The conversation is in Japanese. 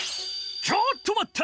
ちょっとまった！